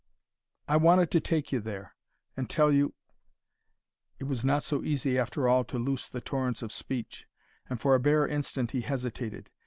I wanted to take you there, and tell you " It was not so easy after all, to loose the torrents of speech, and for a bare instant he hesitated.